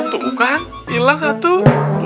hitam aja cau itu